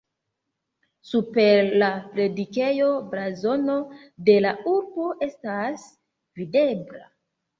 Super la predikejo blazono de la urbo estas videbla.